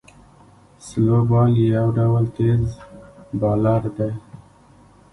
سلو بال یو ډول تېز بالر دئ.